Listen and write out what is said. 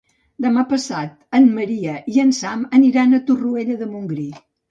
Demà passat en Maria i en Sam aniran a Torroella de Montgrí.